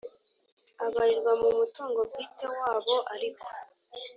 abarirwa mu mutungo bwite wabo ariko